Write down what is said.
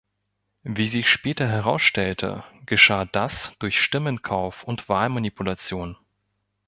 Wie sich später herausstellte, geschah das durch Stimmenkauf und Wahlmanipulation.